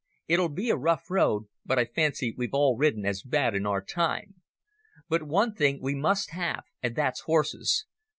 It'll be a rough road, but I fancy we've all ridden as bad in our time. But one thing we must have, and that's horses.